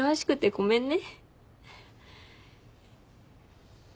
ごめんね。